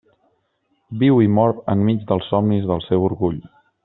Viu i mor enmig dels somnis del seu orgull.